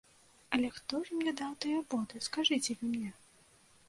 А хто ж мне даў тыя боты, скажыце вы мне?